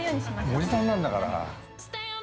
◆おじさんなんだから。